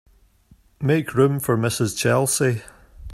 Make room for Mrs. Chelsea.